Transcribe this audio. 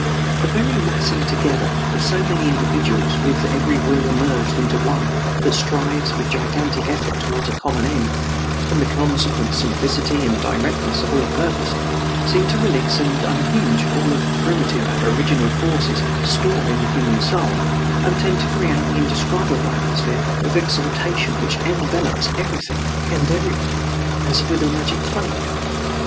The very massing together of so many individuals, with every will merged into one that strives with gigantic effort toward a common end, and the consequent simplicity and directness of all purpose, seem to release and unhinge all the primitive, aboriginal forces stored in the human soul, and tend to create the indescribable atmosphere of exultation which envelopes everything and everybody as with a magic cloak.